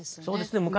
そうですね。